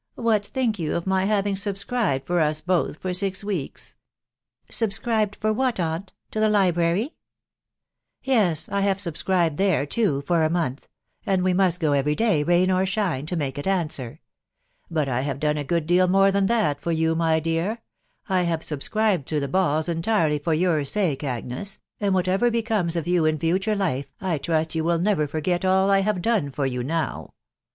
" What think you of my luring afb scribed for us both for six weeks ?*'" Subscribed for what, aunt ?... to the library ? w " Yes ; I have subscribed there, too, for a month ..;. sad we must go every day, rain or shine, to make it answer. 9nt I have done a good deal more than that for yon, my ^ear; I have subscribed to the balls entirely for your sake, Agnes ; and whatever becomes of you in future life, I trust you will never forget all I have done for you now."